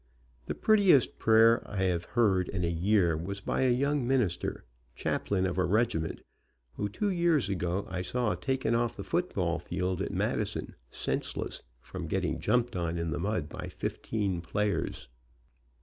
The prettiest prayer I have heard in a year was by a young minister, chaplain of a regiment, who two years ago I saw taken off the football field at Madison, senseless, from getting jumped on in the mud by fifteen players.